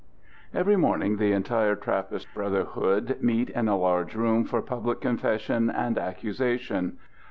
III. Every morning the entire Trappist brotherhood meet in a large room for public confession and accusation.